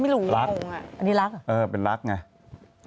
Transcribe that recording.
ไม่รู้งงอ่ะอันนี้รักเหรอเออเป็นรักไง